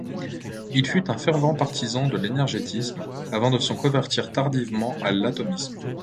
Il fut un fervent partisan de l'énergétisme, avant de se convertir tardivement à l'atomisme.